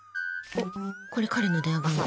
これ、彼の電話番号。